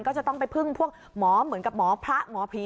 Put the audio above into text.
ก็จะต้องไปพึ่งพวกหมอเหมือนกับหมอพระหมอผี